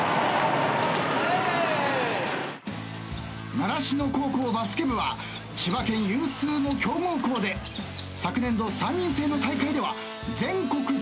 習志野高校バスケ部は千葉県有数の強豪校で昨年度３人制の大会では全国３位に。